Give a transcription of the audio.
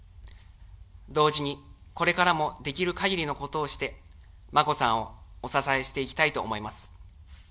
同時に、これからもできるかぎりのことをして、眞子さんをお支えしていきたいと思います。